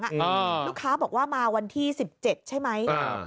ลูกค้าบอกว่ามาวันที่๑๗ใช่ไหม